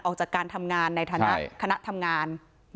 ออกจากการทำงานในฐานะคณะทำงาน